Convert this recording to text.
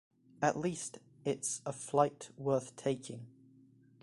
At least it's a flight worth taking.